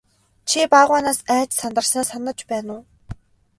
Чи баавгайгаас айж сандарснаа санаж байна уу?